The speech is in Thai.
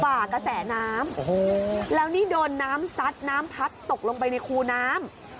ฝ่ากระแสน้ำโอ้โหแล้วนี่โดนน้ำซัดน้ำพัดตกลงไปในคูน้ำ